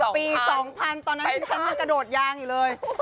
ปี๒๐๐ตอนนั้นที่ฉันยังกระโดดยางอยู่เลย